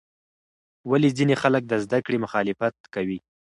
ولې ځینې خلک د زده کړې مخالفت کوي؟